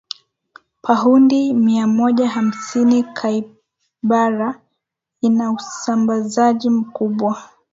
paundi miamoja hamsini capybara ina usambazaji mkubwa